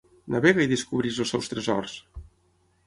Navega i descobreix els seus tresors!